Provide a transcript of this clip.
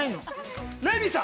◆レミさん。